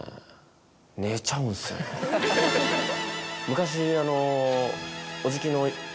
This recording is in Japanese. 昔。